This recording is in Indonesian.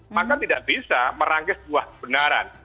maka tidak bisa merangkis sebuah kebenaran